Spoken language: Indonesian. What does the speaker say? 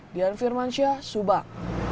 dian firmansyah subang